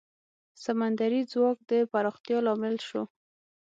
سمندري ځواک د پراختیا لامل شو.